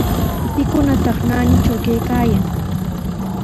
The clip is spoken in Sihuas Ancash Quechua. ¿Pikunataq naanitraw kaykaayan?